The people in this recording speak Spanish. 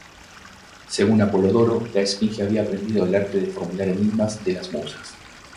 Según Apolodoro, la Esfinge había aprendido el arte de formular enigmas de las Musas.